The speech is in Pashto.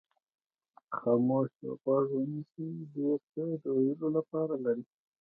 خاموشۍ ته غوږ ونیسئ ډېر څه د ویلو لپاره لري.